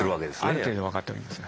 ある程度分かっております